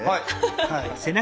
はい。